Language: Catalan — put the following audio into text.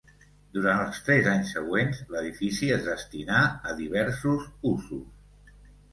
Durant els tres anys següents, l'edifici es destinà a diversos usos.